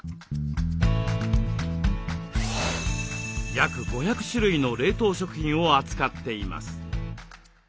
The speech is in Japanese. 約５００種類の冷凍食品を扱っています。